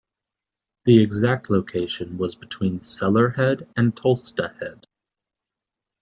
The exact location was between Cellar head and Tolsta head.